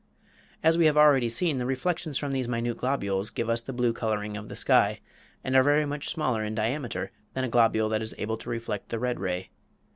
As we have already seen, the reflections from these minute globules give us the blue coloring of the sky and are very much smaller in diameter than a globule that is able to reflect the red ray.